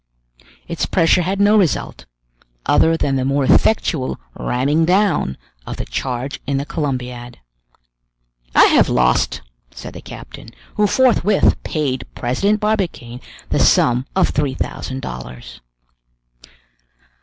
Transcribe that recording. Its pressure had no result, other than the more effectual ramming down of the charge in the Columbiad. "I have lost," said the captain, who forthwith paid President Barbicane the sum of three thousand dollars.